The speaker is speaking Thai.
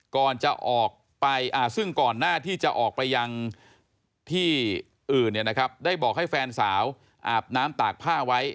ก่อนจะออกไปซึ่งก่อนหน้าที่จะออกไปยังที่อื่นได้บอกให้แฟนสาวอาบน้ำตากผ้าไว้